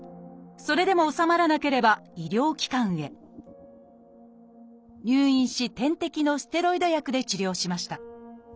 それでもおさまらなければ医療機関へ入院し点滴のステロイド薬で治療しました。